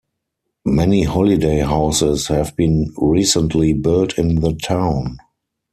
Many holiday houses have been recently built in the town.